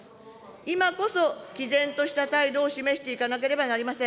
今こそきぜんとした態度を示していかなければなりません。